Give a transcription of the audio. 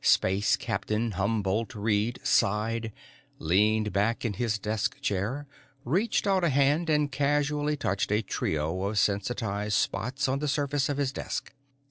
Space Captain Humbolt Reed sighed, leaned back in his desk chair, reached out a hand, and casually touched a trio of sensitized spots on the surface of his desk.